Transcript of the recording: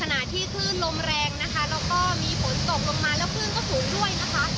ขณะที่คลื่นลมแรงนะคะแล้วก็มีฝนตกลงมาแล้วคลื่นก็สูงด้วยนะคะ